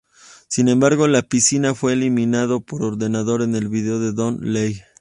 Sin embargo la piscina fue eliminado por ordenador en el video de "Don't Lie".